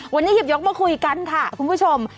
วันนี้หยิบยกมาคุยกันค่ะคุณผู้ชม